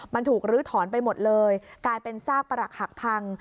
มันถูกลื้อถอนไปหมดเลยกลายเป็นซากประหลักหักพัง